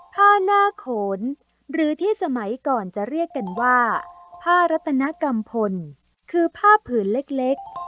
ผ้าหน้าโขนหรือที่สมัยก่อนจะเรียกกันว่าผ้ารัตนกรรมพลคือผ้าผืนเล็ก